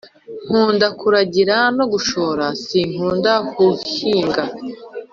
Nkunda kuragira no gushora sinkunda huhinga.